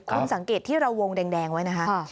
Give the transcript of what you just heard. คุณสังเกตที่เราวงแดงไว้นะคะ